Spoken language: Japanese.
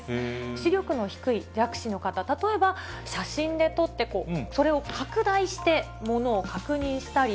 視力の低い弱視の方、例えば写真で撮って、それを拡大して、物を確認したり。